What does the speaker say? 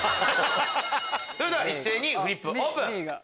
それでは一斉にフリップオープン！